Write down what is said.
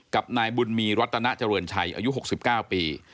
กับนายบุญมีรัตนาเจริญชัยอายุ๖๙ปี